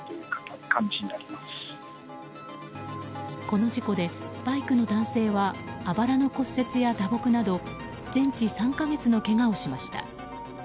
この事故でバイクの男性はあばらの骨折や打撲など全治３か月のけがをしました。